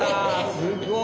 すっごい！